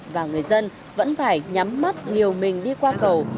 và người dân vẫn phải nhắm mắt liều mình đi qua cầu